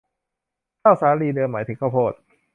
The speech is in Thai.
ข้าวสาลี เดิมหมายถึงข้าวโพด